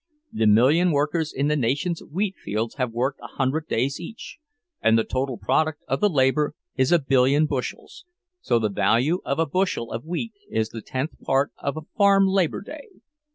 The million workers in the nation's wheat fields have worked a hundred days each, and the total product of the labor is a billion bushels, so the value of a bushel of wheat is the tenth part of a farm labor day.